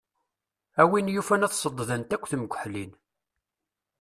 A win yufan ad ṣedddent akk temkeḥlin.